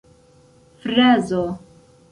frazo